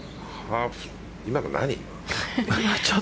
今の何？